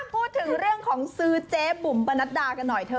พูดถึงเรื่องของซื้อเจ๊บุ๋มปะนัดดากันหน่อยเธอ